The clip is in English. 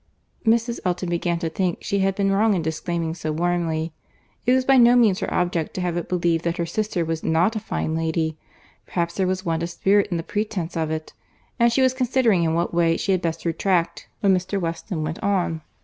Mrs. Elton began to think she had been wrong in disclaiming so warmly. It was by no means her object to have it believed that her sister was not a fine lady; perhaps there was want of spirit in the pretence of it;—and she was considering in what way she had best retract, when Mr. Weston went on.